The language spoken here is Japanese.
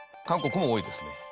韓国も多いですね。